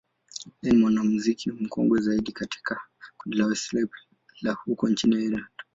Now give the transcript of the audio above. yeye ni mwanamuziki mkongwe zaidi katika kundi la Westlife la huko nchini Ireland.